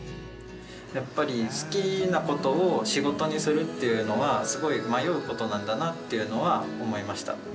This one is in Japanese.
やっぱり好きなことを仕事にするっていうのはすごい迷うことなんだなっていうのは思いました。